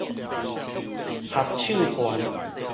合唱團